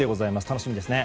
楽しみですね。